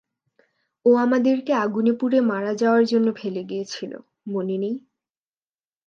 ও আমাদেরকে আগুনে পুড়ে মারা যাওয়ার জন্য ফেলে গিয়েছিল, মনে নেই?